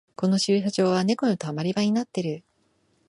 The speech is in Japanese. この駐車場はネコのたまり場になってる